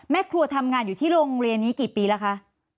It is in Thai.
แม่ครัวทำงานอยู่ที่โรงเรียนนี้กี่ปีแล้วคะ